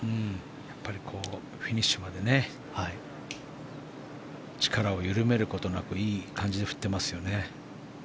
やっぱりフィニッシュまで力を緩めることなくいい感じで振ってますよね。